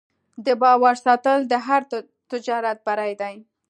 د باور ساتل د هر تجارت بری دی.